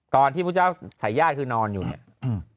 ที่พุทธเจ้าสายญาติคือนอนอยู่เนี่ย